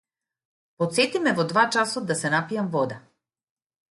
Потсети ме во два часот да се напијам вода.